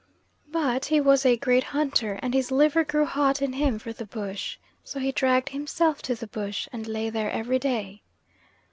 But he was a great hunter, and his liver grew hot in him for the bush, so he dragged himself to the bush, and lay there every day.